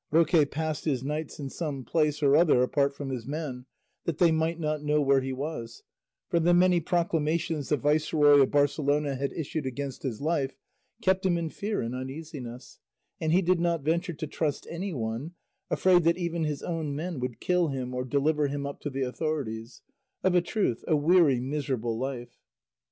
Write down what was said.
Roque passed his nights in some place or other apart from his men, that they might not know where he was, for the many proclamations the viceroy of Barcelona had issued against his life kept him in fear and uneasiness, and he did not venture to trust anyone, afraid that even his own men would kill him or deliver him up to the authorities; of a truth, a weary miserable life!